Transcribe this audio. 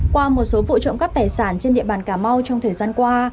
qua một số vụ trộm cắp tài sản trên địa bàn cà mau trong thời gian qua